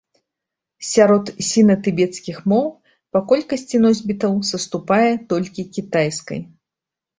Сярод сіна-тыбецкіх моў па колькасці носьбітаў саступае толькі кітайскай.